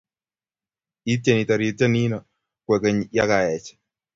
Ityeni toritie nino kwekeny ya kaech